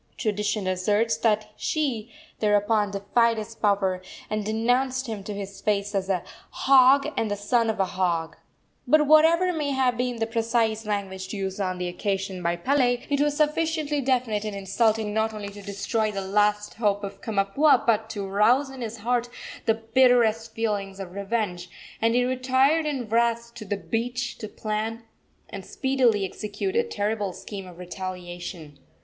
Tradition asserts that she thereupon defied his power, and denounced him to his face as "a hog and the son of a hog." But, whatever may have been the precise language used on the occasion by Pele, it was sufficiently definite and insulting not only to destroy the last hope of Kamapuaa, but to arouse in his heart the bitterest feelings of revenge, and he retired in wrath to the beach to plan and speedily execute a terrible scheme of retaliation.